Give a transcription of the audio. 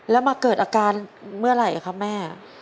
แล้วมาเกิดอาการเมื่อไหร่ครับแม่